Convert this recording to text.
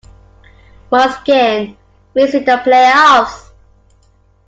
Once again, missing the playoffs.